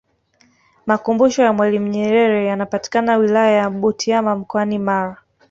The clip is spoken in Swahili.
makumbusho ya mwalimu nyerere yanapatika wilaya ya butiama mkoani mara